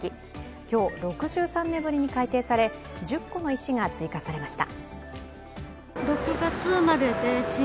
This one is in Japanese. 今日、６３年ぶりに改定され、１０個の石が追加されました。